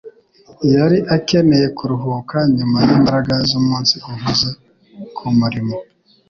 Yari akeneye kuruhuka nyuma yimbaraga zumunsi uhuze kumurimo